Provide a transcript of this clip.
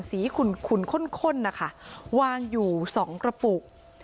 ขุนข้นนะคะวางอยู่๒กระปุก